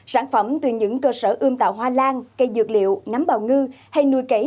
sản phẩm từ những cơ sở ươm tạo hoa lan cây dược liệu nấm bào ngư hay nuôi cấy